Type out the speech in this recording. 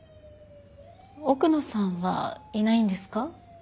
奥野さんはいないんですか？